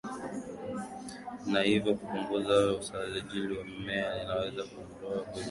na hivyo kupunguza uzalishaji wa mmea na inaweza kuondoa virutubishi